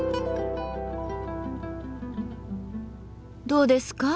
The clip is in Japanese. どうですか？